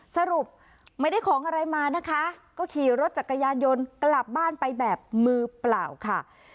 สรุปไม่ได้ของอะไรมานะคะก็ขี่รถจักรยานยนต์กลับบ้านไปแบบมือเปล่าค่ะ